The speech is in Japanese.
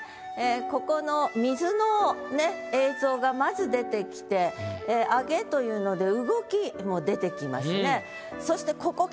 ここの水の映像がまず出てきて「上げ」というので動きも出てきますね。